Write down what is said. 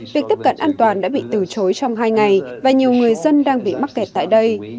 việc tiếp cận an toàn đã bị từ chối trong hai ngày và nhiều người dân đang bị mắc kẹt tại đây